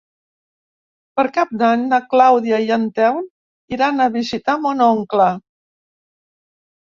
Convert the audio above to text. Per Cap d'Any na Clàudia i en Telm iran a visitar mon oncle.